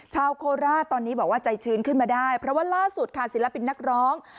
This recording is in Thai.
โคราชตอนนี้บอกว่าใจชื้นขึ้นมาได้เพราะว่าล่าสุดค่ะศิลปินนักร้อง